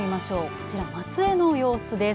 こちら松江の様子です。